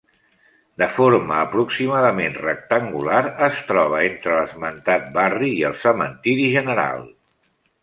De forma aproximadament rectangular, es troba entre l'esmentat barri i el Cementeri General.